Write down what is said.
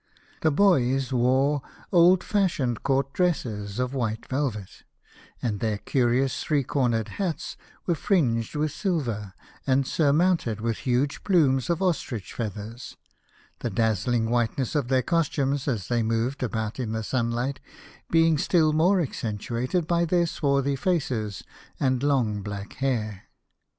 The boys wore old fashioned court dresses of white velvet, and their curious three cornered hats were fringed with silver and surmounted with huge plumes of ostrich feathers, the dazzling whiteness of their costumes, as they moved about in the sunlight, being still more accen tuated by their swarthy faces and long black hair.